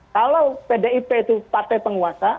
kalau pdip itu partai penguasa